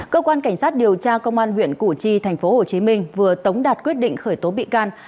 cơ quan cảnh sát điều tra công an huyện củ chi tp hcm vừa tống đạt quyết định khởi tố bị can